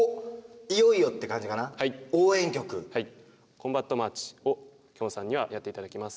「コンバットマーチ」をきょんさんにはやって頂きます。